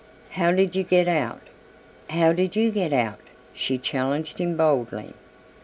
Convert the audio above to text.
"How did you get out?" "How did you get out?" she challenged him boldly.